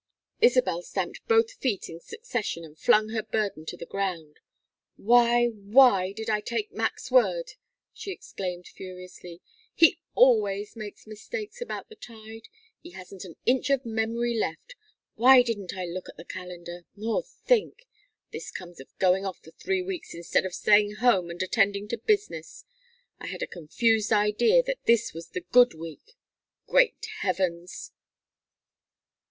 Isabel stamped both feet in succession and flung her burden to the ground. "Why, why did I take Mac's word?" she exclaimed, furiously. "He always makes mistakes about the tide he hasn't an inch of memory left. Why didn't I look at the calendar? Or think? This comes of going off for three weeks instead of staying at home and attending to business. I had a confused idea that this was the 'good week.' Great heavens!"